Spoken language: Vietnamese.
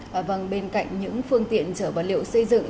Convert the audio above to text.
và vâng bên cạnh những phương tiện chở vật liệu xây dựng